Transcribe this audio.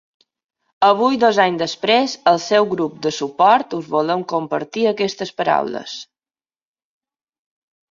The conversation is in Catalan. Avui, dos anys després, el seu grup de suport us volem compartir aquestes paraules.